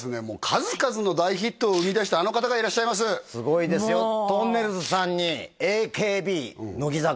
数々の大ヒットを生み出したあの方がいらっしゃいますすごいですよとんねるずさんにＡＫＢ乃木坂